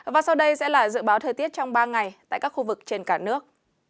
và sau đây sẽ là dự báo thời tiết trong ba ngày tại các khu vực trên cả nước